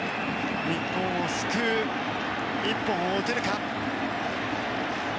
日本を救う一本を打てるか。